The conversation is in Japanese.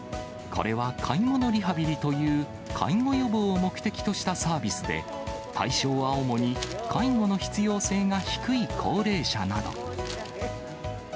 これは買い物リハビリという、介護予防を目的としたサービスで、対象は主に、介護の必要性が低い高齢者など。